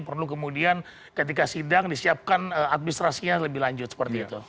perlu kemudian ketika sidang disiapkan administrasinya lebih lanjut seperti itu